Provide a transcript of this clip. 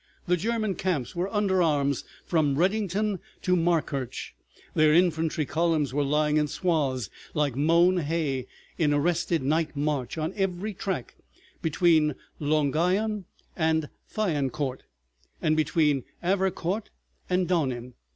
The German camps were under arms from Redingen to Markirch, their infantry columns were lying in swathes like mown hay, in arrested night march on every track between Longuyon and Thiancourt, and between Avricourt and Donen.